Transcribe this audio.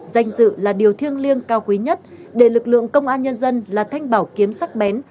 danh dự là điều thiêng liêng cao quý nhất để lực lượng công an nhân dân là thanh bảo kiếm sắc bén